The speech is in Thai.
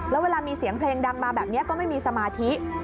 แล้วเวลามีเสียงเพลงดังมาแบบนี้ก็ไม่มีสมาธิ